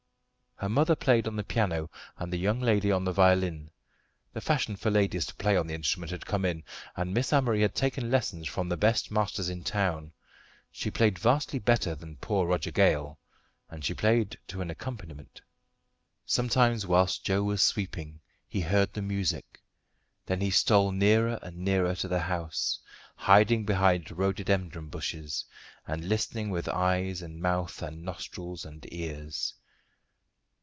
Her mother played on the piano and the young lady on the violin. The fashion for ladies to play on this instrument had come in, and Miss Amory had taken lessons from the best masters in town. She played vastly better than poor Roger Gale, and she played to an accompaniment. Sometimes whilst Joe was sweeping he heard the music; then he stole nearer and nearer to the house, hiding behind rhododendron bushes, and listening with eyes and mouth and nostrils and ears.